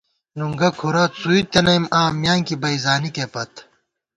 نُنگُہ کُھرَہ څُوئی تنَئیم آں ، میانکی بئ زانِکےپت